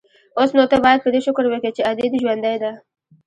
اوس نو ته بايد په دې شکر وکې چې ادې دې ژوندۍ ده.